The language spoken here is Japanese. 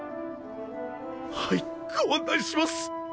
はいご案内します！